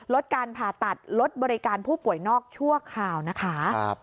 ลดการผ่าตัดลดบริการผู้ป่วยนอกชั่วคราวนะคะ